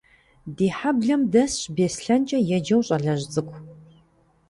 Ди хьэблэм дэсщ Беслъэнкӏэ еджэу щӀалэжь цӀыкӀу.